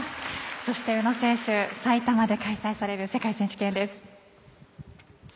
そして宇野選手、さいたまで開催される世界選手権です。